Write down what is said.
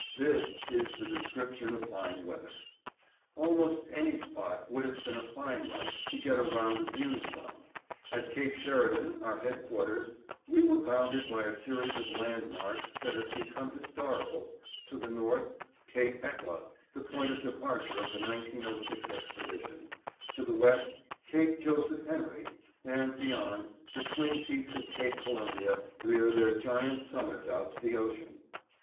This is the description of fine weather. Almost any spot would have been a fine one to get a round of views from; at Cape Sheridan, our headquarters, we were bounded by a series of land marks that have become historical; to the north, Cape Hecla, the point of departure of the 1906 expedition; to the west, Cape Joseph Henry, and beyond, the twin peaks of Cape Columbia rear their giant summits out to the ocean.